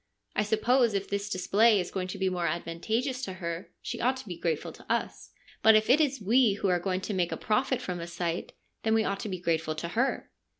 I suppose if this display is going to be more advantageous to her, she ought to be grateful to us. But if it is we who are going to make a profit from the sight, then we ought to be grateful to her.'